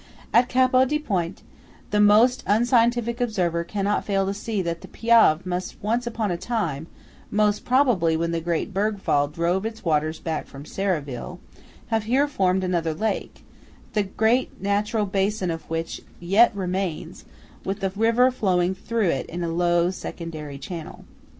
At Capo di Ponte, the most unscientific observer cannot fail to see that the Piave must once upon a time (most probably when the great berg fall drove its waters back from Serravalle) have here formed another lake, the great natural basin of which yet remains, with the river flowing through it in a low secondary channel.